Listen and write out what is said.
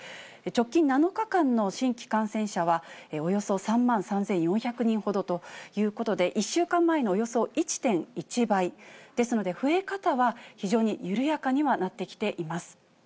直近７日間の新規感染者はおよそ３万３４００人ほどということで、１週間前のおよそ１．１倍ですので、増え方は非常に緩やかにはなってきています。